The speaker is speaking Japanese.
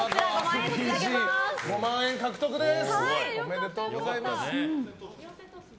５万円獲得です！